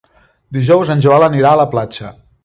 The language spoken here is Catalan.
Dijous en Joel anirà a la platja.